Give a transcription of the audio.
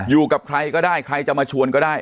อยู่กับใครก็ได้ใครจะมาชวนก็ได้